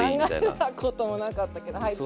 考えたこともなかったけどはい。